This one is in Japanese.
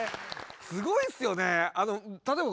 すごいっすよね！